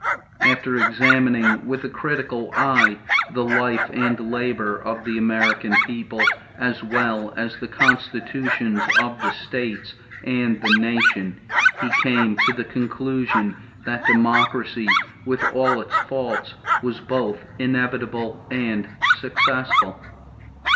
After examining with a critical eye the life and labor of the American people, as well as the constitutions of the states and the nation, he came to the conclusion that democracy with all its faults was both inevitable and successful.